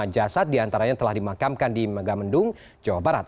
jasad diantaranya telah dimakamkan di megamendung jawa barat